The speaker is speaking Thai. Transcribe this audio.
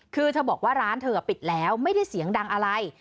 คือเธอบอกว่าร้านเธอปิดแล้วไม่ได้เสียงดังอะไร